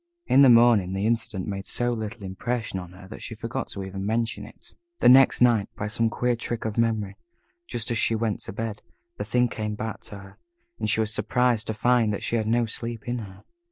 In the morning, the incident made so little impression on her, that she forgot to even mention it. The next night, by some queer trick of memory, just as she went to bed, the thing came back to her, and she was surprised to find that she had no sleep in her.